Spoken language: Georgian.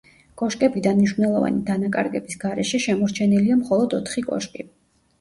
კოშკებიდან მნიშვნელოვანი დანაკარგების გარეშე შემორჩენილია მხოლოდ ოთხი კოშკი.